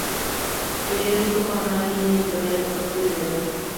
Periódico con una línea editorial de corte liberal.